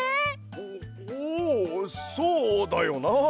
おおうそうだよな。